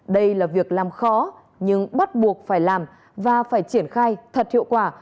đây là việc làm khó nhưng bắt buộc phải làm và phải triển khai thật hiệu quả